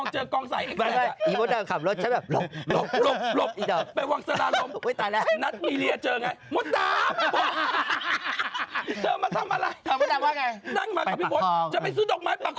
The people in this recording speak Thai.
เจอกลองถ่ายเอกแซก